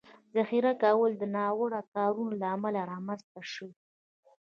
ذخیره کولو او ناوړه کارونې له امله رامنځ ته شوي